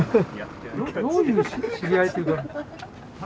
どういう知り合いっていうか。